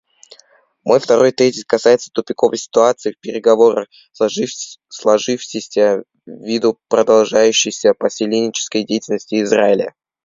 Мой второй тезис касается тупиковой ситуации в переговорах, сложившейся ввиду продолжающейся поселенческой деятельности Израиля.